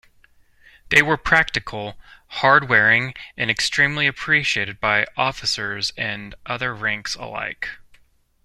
They were practical, hardwearing and extremely appreciated by officers and other ranks alike.